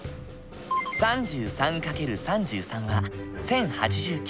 ３３×３３は１，０８９。